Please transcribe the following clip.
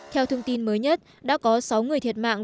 theo thông tin mới nhất đã có sáu người thiệt mạng